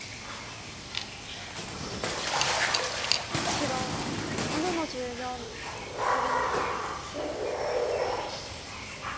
白７の十四取り。